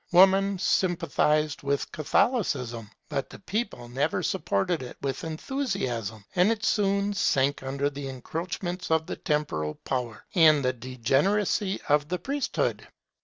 Woman sympathized with Catholicism, but the people never supported it with enthusiasm, and it soon sank under the encroachments of the temporal power, and the degeneracy of the priesthood.